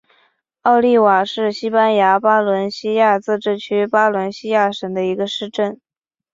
奥利瓦是西班牙巴伦西亚自治区巴伦西亚省的一个市镇。